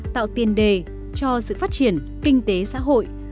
tạo tiền đề cho sự phát triển kinh tế xã hội